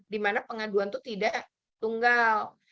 dimana pengaduan itu tidak tunggal